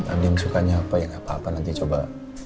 andien sukanya apa ya gak apa apa nanti coba